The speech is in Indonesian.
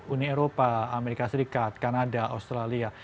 uni eropa amerika serikat kanada australia